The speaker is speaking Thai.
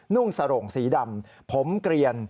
่งสโรงสีดำผมเกลียน